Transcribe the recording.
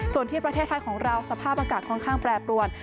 ส่วนที่ประเทศไทยของเราสภาพอากาศค่อนข้างแปรปรวน